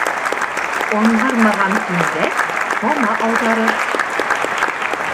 Аңғармаған түңгәк сана ауҙарыр.